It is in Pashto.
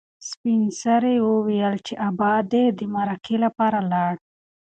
سپین سرې وویل چې ابا دې د مرکې لپاره لاړ.